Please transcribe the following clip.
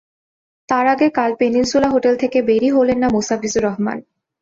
তার আগে কাল পেনিনসুলা হোটেল থেকে বেরই হলেন না মোস্তাফিজুর রহমান।